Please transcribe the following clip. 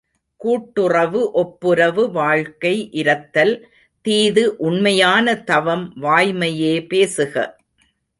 கூட்டுறவு ஒப்புரவு வாழ்க்கை இரத்தல் தீது உண்மையான தவம் வாய்மையே பேசுக!